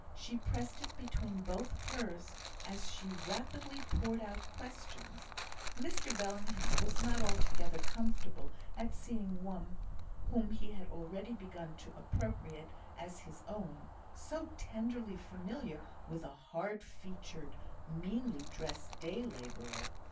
She pressed it between both of hers, as she rapidly poured out questions. Mr Bellingham was not altogether comfortable at seeing one whom he had already begun to appropriate as his own, so tenderly familiar with a hard featured, meanly dressed day labourer.